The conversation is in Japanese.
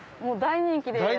もう大人気で。